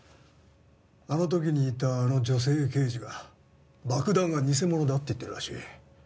あの時にいたあの女性刑事が爆弾は偽物だって言ってるらしい。